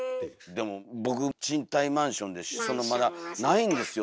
でも僕賃貸マンションですしそのまだないんですよ